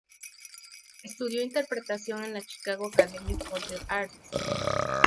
Estudió interpretación en la Chicago Academy for the Arts.